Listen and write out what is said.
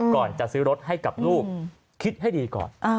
ก่อนจะซื้อรถให้กับลูกคิดให้ดีก่อน